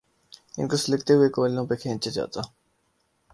ان کو سلگتے کوئلوں پہ کھینچا جاتا۔